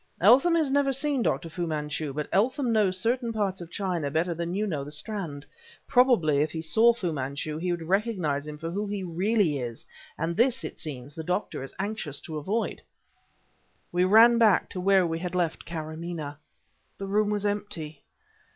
"Eltham has never seen Dr. Fu Manchu, but Eltham knows certain parts of China better than you know the Strand. Probably, if he saw Fu Manchu, he would recognize him for who he really is, and this, it seems, the Doctor is anxious to avoid." We ran back to where we had left Karamaneh. The room was empty!